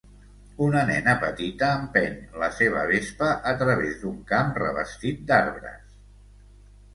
Una nena petita empeny la seva vespa a través d'un camp revestit d'arbres.